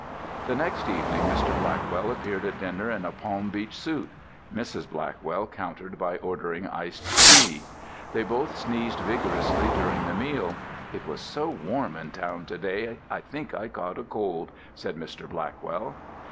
The next evening Mr. Blackwell appeared at dinner in a Palm Beach suit. Mrs. Blackwell countered by ordering iced tea. They both sneezed vigorously during the meal. "It was so warm in town to day, I think I caught a cold," said Mr. Blackwell.